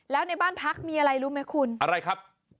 แล้วในบ้านพักมีอะไรรู้ไหมคุณอะไรครับ